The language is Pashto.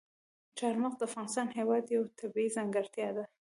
چار مغز د افغانستان هېواد یوه طبیعي ځانګړتیا ده.